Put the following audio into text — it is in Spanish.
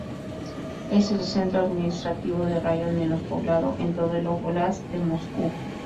Es el centro administrativo de raión menos poblado en todo el óblast de Moscú.